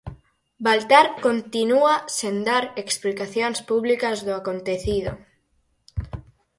Baltar continúa sen dar explicacións públicas do acontecido.